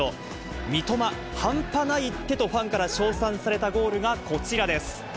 三笘、半端ないってと、ファンから称賛されたゴールがこちらです。